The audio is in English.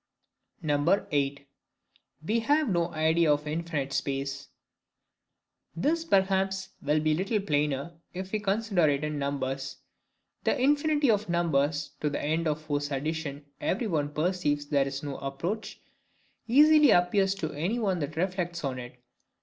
8. We have no Idea of infinite Space. This, perhaps, will be a little plainer, if we consider it in numbers. The infinity of numbers, to the end of whose addition every one perceives there is no approach, easily appears to any one that reflects on it.